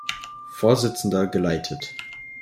Vorsitzender geleitet.